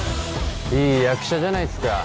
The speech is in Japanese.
いい役者じゃないっすか